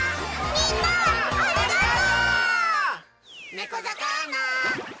みんなありがとう。